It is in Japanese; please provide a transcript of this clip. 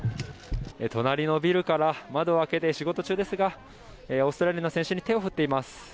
隣のビルから窓を開けて仕事中ですがオーストラリアの選手に手を振っています。